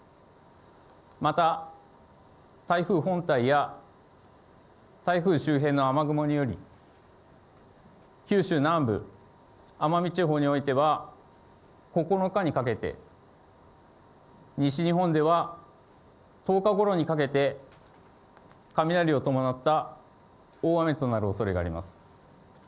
また台風本体や台風周辺の雨雲により、九州南部、奄美地方においては、９日にかけて、西日本では１０日ごろにかけて、雷を伴った大雨となるおそれがあります。